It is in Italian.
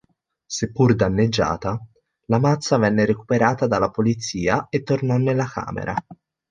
Seppur danneggiata, la mazza venne recuperata dalla polizia e tornò nella camera.